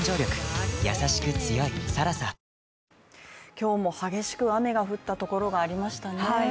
今日も激しく雨が降ったところがありましたね